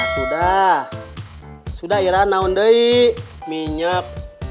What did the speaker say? sudah sudah irah naon deh minyak